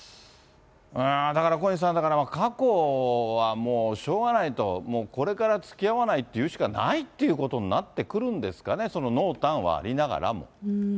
だから小西さん、過去はもうしょうがないと、もうこれからつきあわないって言うしかないっていうことになってくるんですかね、その濃淡はありながらも。